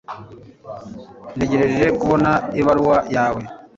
ntegereje kubona ibaruwa yawe